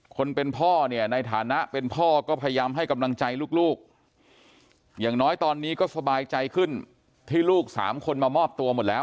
คนเป็นพ่อเนี่ยในฐานะเป็นพ่อก็พยายามให้กำลังใจลูกอย่างน้อยตอนนี้ก็สบายใจขึ้นที่ลูกสามคนมามอบตัวหมดแล้ว